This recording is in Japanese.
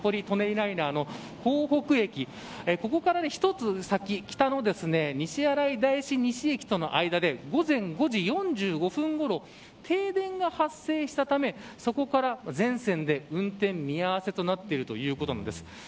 舎人ライナーの港北駅ここから一つ先、北の西新井大師西駅との間で午前５時４５分ごろ停電が発生したためそこから全線で運転見合わせとなっているということです。